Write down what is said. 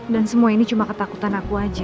dan semua ini cuma ketakutan aku aja